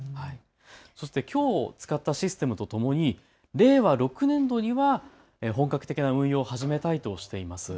そしてきょう使ったシステムとともに令和６年度には本格的な運用を始めたいとしています。